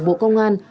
bộ công an